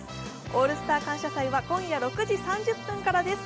「オールスター感謝祭」は今夜６時３０分からです。